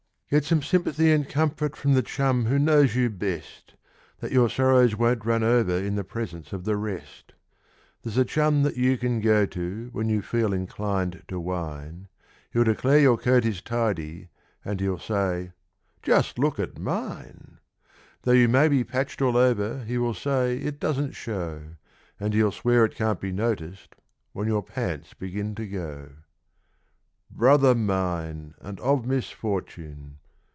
Get some sympathy and comfort from the chum who knows you best, Then your sorrows won't run over in the presence of the rest ; There's a chum that you can go to when you feel inclined to whine, He'll declare your coat is tidy, and he'll say : "Just look at mine !" Though you may be patched all over he will say it doesn't show, And he'll swear it can't be noticed when your pants begin to go. Brother mine, and of misfortune